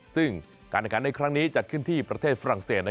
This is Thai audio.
ซึ่งการเรียนขันในครั้งนี้จัดขึ้นที่ไปฝรั่งเศส